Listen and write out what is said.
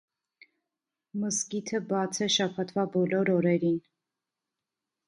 Մզկիթը բաց է շաբաթվա բոլոր օրերին։